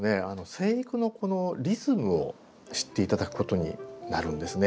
生育のこのリズムを知って頂くことになるんですね。